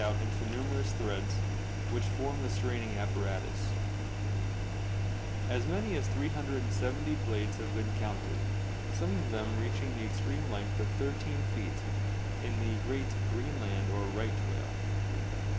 3 a "3 L out into numerous threads which form the straining apparatus. As many as 370 blades have been counted, some of them reaching the extreme length of 13 feet in the great Greenland or right whale.